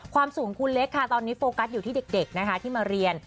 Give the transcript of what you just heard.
ความสูงของคุณเล็กค่ะตอนนี้โฟกัสอยู่ที่เด็กนะคะที่มาเรียน